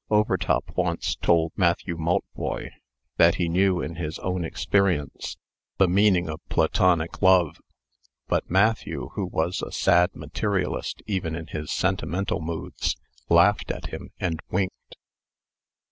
Overtop once told Matthew Maltboy, that he knew, in his own experience, the meaning of Platonic love. But Matthew, who was a sad materialist even in his sentimental moods, laughed at him, and winked.